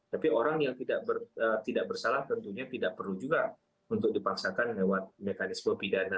tapi orang yang tidak bersalah tentunya tidak perlu juga untuk dipaksakan lewat mekanisme pidana